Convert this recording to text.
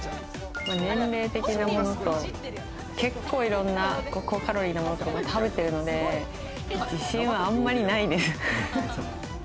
年齢的なものと結構いろんな高カロリーなものとか食べてるので、自信はあんまりないです。